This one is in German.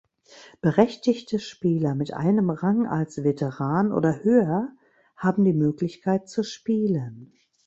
Berechtigte Spieler mit einem Rang als Veteran oder höher haben die Möglichkeit zu spielen.